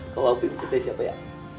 kalo april mencintai siapa ya